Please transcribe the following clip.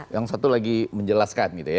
yang satu lagi menjelaskan gitu ya